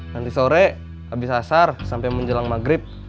nanti sore habis asar sampai menjelang maghrib